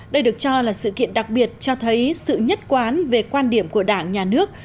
đây được cho là sự kiện đặc biệt cho thấy sự nhất quán về quan điểm của đảng nhà nước